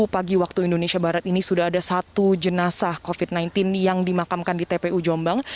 pagi waktu indonesia barat ini sudah ada satu jenazah covid sembilan belas yang dimakamkan di tpu jombang